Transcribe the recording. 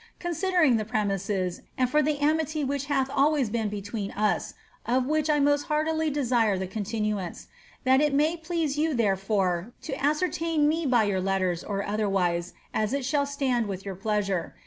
Considering the premises, and for the amity hirh hath always been between us (of which I most heartily desire the con nuance), that it may please you tlierefore to ascertain me by your letters or berwise, as it shall stand with your pleasure.